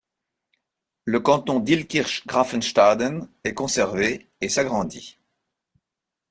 Le canton d'Illkirch-Graffenstaden est conservé et s'agrandit.